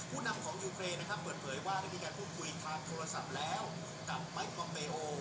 ผู้นำของยุเครนเปิดเผยว่ามีการพูดคุยทางโทรศัพท์แล้วกับไมค์มอมเบโอ